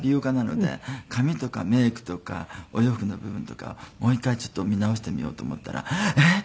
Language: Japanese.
髪とかメイクとかお洋服の部分とかをもう一回ちょっと見直してみようと思ったらえっ